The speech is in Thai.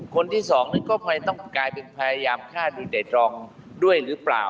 คนที่สองก็ช้าเป็นพยายามฆ่าโดยไตรองด้วยหรือเปล่า